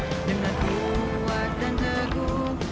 dengan kuat dan teguh